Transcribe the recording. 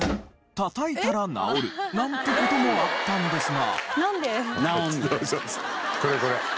叩いたら直るなんて事もあったんですが。